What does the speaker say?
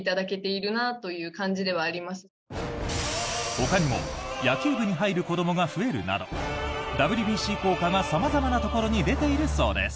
ほかにも野球部に入る子どもが増えるなどＷＢＣ効果が様々なところに出ているそうです。